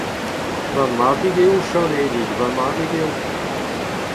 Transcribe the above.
Va mabig eo, Janedig, va mabig eo !